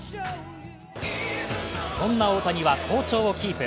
そんな大谷は好調をキープ。